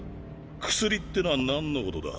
薬ってのは何のことだ？